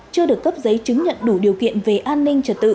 chưa được cấp giấy chứng nhận đủ điều kiện về an ninh